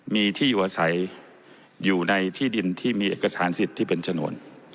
มีที่อยู่อาศัยอยู่ในที่ดินที่มีเอกสารสิทธิ์ที่เป็นชนวน